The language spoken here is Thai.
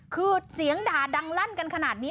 คือเสียงด่าดังลั่นกันขนาดนี้